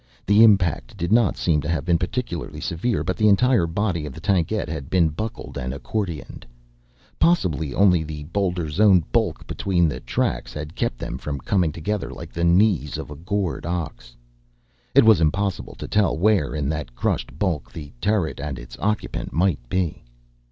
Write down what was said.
The impact did not seem to have been particularly severe; but the entire body of the tankette had been buckled and accordioned. Possibly only the boulder's own bulk between the tracks had kept them from coming together like the knees of a gored ox. It was impossible to tell where, in that crushed bulk, the turret and its occupant might be.